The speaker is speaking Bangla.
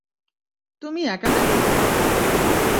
তুমি একা নাকি?